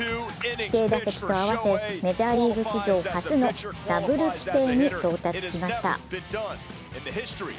規定打席とあわせメジャーリーグ史上初のダブル規定に到達しました。